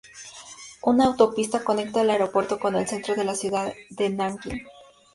Una autopista conecta el aeropuerto con el centro de la ciudad de Nankín.